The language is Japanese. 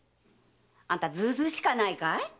あんたずうずうしかないかい？